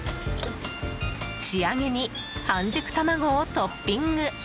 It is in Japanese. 仕上げに半熟卵をトッピング。